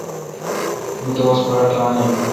مہ دوست باڑ ران این۔